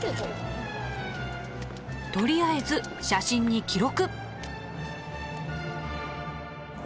とりあえず写真に記録。